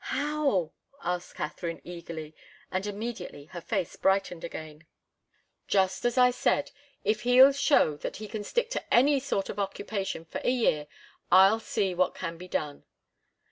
"How?" asked Katharine, eagerly, and immediately her face brightened again. "Just as I said. If he'll show that he can stick to any sort of occupation for a year, I'll see what can be done."